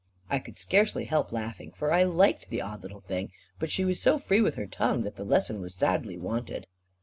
I could scarcely help laughing, for I liked the odd little thing; but she was so free with her tongue, that the lesson was sadly wanted.